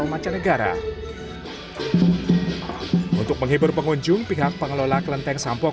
kemudian ini baru mulai hiburan musik dari live music dari band kanyang kamis